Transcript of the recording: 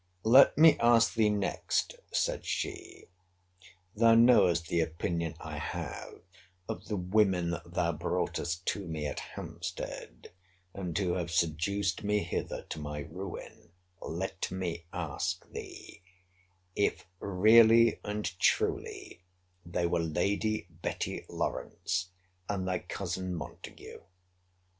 Let me ask thee next, said she, (thou knowest the opinion I have of the women thou broughtest to me at Hampstead; and who have seduced me hither to my ruin; let me ask thee,) If, really and truly, they were Lady Betty Lawrance and thy cousin Montague?